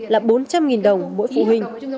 là bốn trăm linh đồng mỗi phụ huynh